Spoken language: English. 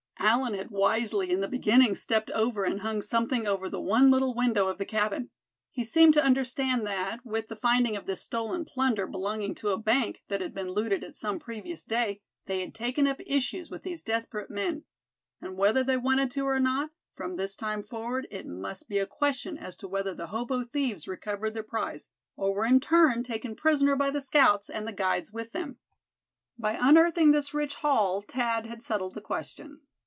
Allan had wisely in the beginning stepped over and hung something over the one little window of the cabin. He seemed to understand that, with the finding of this stolen plunder belonging to a bank that had been looted at some previous day, they had taken up issues with these desperate men; and whether they wanted to or not, from this time forward it must be a question as to whether the hobo thieves recovered their prize; or were in turn taken prisoner by the scouts, and the guides with them. By unearthing this rich haul Thad had settled the question.